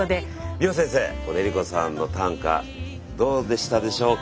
美穂先生この江里子さんの短歌どうでしたでしょうか？